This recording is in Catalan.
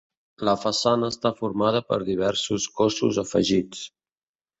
La façana està formada per diversos cossos afegits.